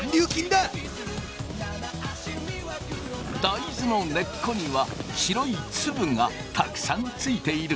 大豆の根っこには白い粒がたくさんついている。